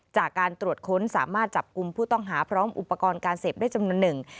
จากการตรวจค้นสามารถจับกลุ่มผู้ต้องหาพร้อมอุปกรณ์การเสพได้จำนวนหนึ่ง